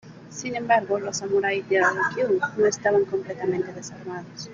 Sin embargo, los samurái de Ryūkyū no estaban completamente desarmados.